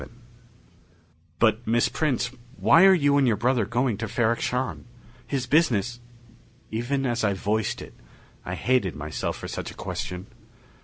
VII "But, Miss Prince, why are you and your brother going to Ferrok Shahn? His business " Even as I voiced it, I hated myself for such a question.